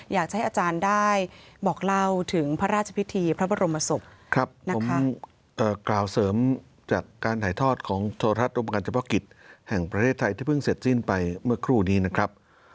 อยากจะให้อาจารย์ได้บอกเล่าถึงพระราชพิธีพระบรมศพกล่าวเสริมจากการถ่ายทอดของโทรทัศน์รวมการเฉพาะกิจแห่งประเทศไทยที่เพิ่งเสร็จสิ้นไปเมื่อครู่นี้นะครับ